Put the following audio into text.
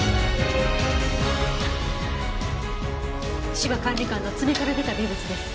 芝管理官の爪から出た微物です。